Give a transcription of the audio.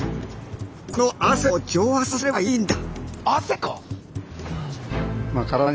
この汗を蒸発させればいいんだ！